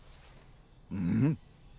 うん。